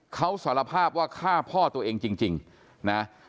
เขาสารภาพว่าฆ่าพ่อตัวเองจริงนะ